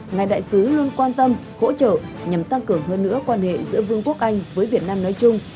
ngài đại sứ luôn quan tâm hỗ trợ nhằm tăng cường hơn nữa quan hệ giữa vương quốc anh với việt nam nói chung